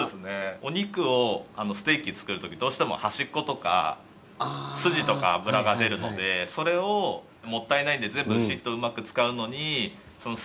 お肉をステーキ作るときどうしても端っことか筋とか脂が出るのでそれをもったいないんで全部牛一頭うまく使うのに。